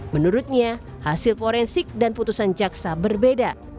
menurutnya hasil forensik dan putusan jaksa berbeda